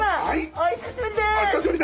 お久しぶりです。